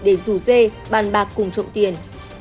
để rủ dê bàn bạc cùng trộm tiền